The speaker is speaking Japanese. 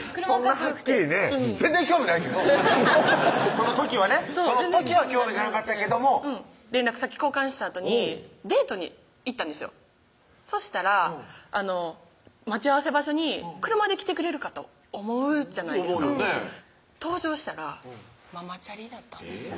その時はねその時は興味がなかったけども連絡先交換したあとにデートに行ったんですよそしたら待ち合わせ場所に車で来てくれるかと思うじゃないですか登場したらママチャリだったんですよ